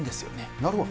なるほど。